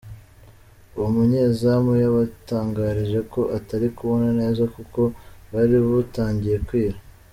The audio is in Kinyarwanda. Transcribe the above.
Uwo munyezamu yabatangarije ko atari kubona neza kuko bwari butangiye kwira.